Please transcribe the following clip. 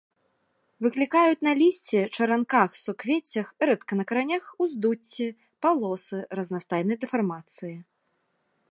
Выклікаюць на лісці, чаранках, суквеццях, рэдка на каранях уздуцці, палосы, разнастайныя дэфармацыі.